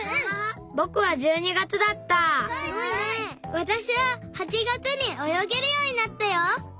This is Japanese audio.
わたしは８月におよげるようになったよ！